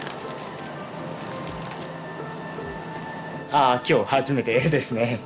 ああ今日初めてですね。